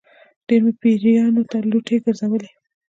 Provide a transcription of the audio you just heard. ډېر مې پیرانو ته لوټې ګرځولې.